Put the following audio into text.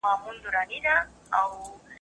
هغه تر وروستي حده پورې په خپل هوډ ولاړ و.